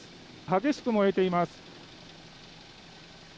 激しく燃えています。